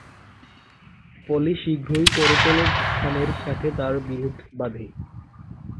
ফলে শীঘ্রই করতলব খানের সাথে তাঁর বিরোধ বাধে।